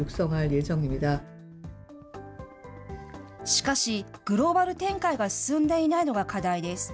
しかし、グローバル展開が進んでいないのが課題です。